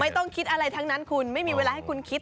ต้องคิดอะไรทั้งนั้นคุณไม่มีเวลาให้คุณคิด